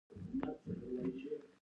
ایا زه باید د سپي د چیچلو واکسین وکړم؟